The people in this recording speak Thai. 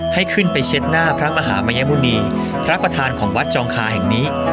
ให้ขึ้นไปเช็ดหน้าพระมหามัยบุณีพระประธานของวัดจองคาแห่งนี้